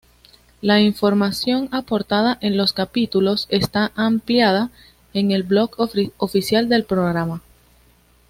La información aportada en los capítulos está ampliada en el blog oficial del programa.